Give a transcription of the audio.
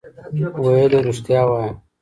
ویل یې رښتیا وایې.